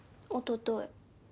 おととい。